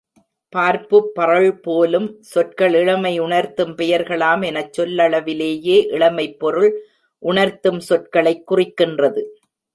பார்ப்பு பறழ் போலும் சொற்கள் இளமை உணர்த்தும் பெயர்களாம் எனச் சொல்லளவிலேயே இளமைப் பொருள் உணர்த்தும் சொற்களைக் குறிக்கின்றது.